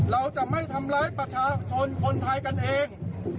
เราจะไม่ทำร้ายประชาชนคนไทยกันเอง